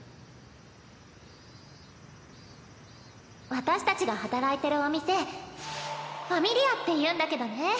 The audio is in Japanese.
私たちが働いてるお店「Ｆａｍｉｌｉａ」っていうんだけどね